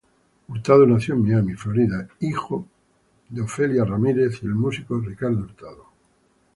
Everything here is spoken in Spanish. Hurtado nació en Miami, Florida, hijo del músico Ricardo Hurtado y Ofelia Ramirez.